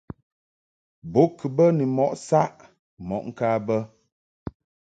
Bo kɨ bə ni mɔʼ saʼ mɔʼ ŋka bə.